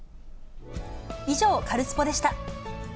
以上、カルスポっ！でした。